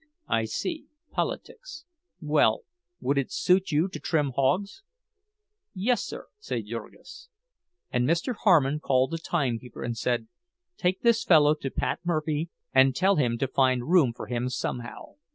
"I see—politics. Well, would it suit you to trim hogs?" "Yes, sir," said Jurgis. And Mr. Harmon called a timekeeper and said, "Take this man to Pat Murphy and tell him to find room for him somehow."